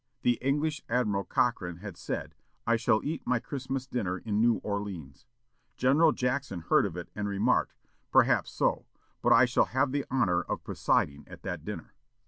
The English Admiral Cochrane had said, "I shall eat my Christmas dinner in New Orleans." General Jackson heard of it, and remarked, "Perhaps so; but I shall have the honor of presiding at that dinner."